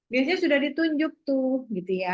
biasanya sudah ditunjuk tuh gitu ya